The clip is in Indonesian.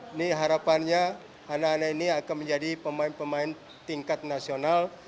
ini harapannya anak anak ini akan menjadi pemain pemain tingkat nasional